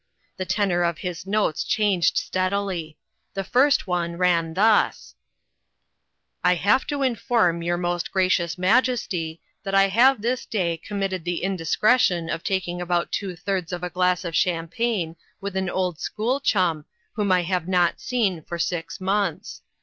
The tenor of his notes changed steadily. The first one ran thus : "I have to inform your most gracious majesty that I have this day committed the indiscretion of taking about two thirds of a glass of champagne with an old school chum whom I have not seen for six months.